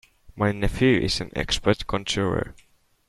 My nephew is an expert conjurer.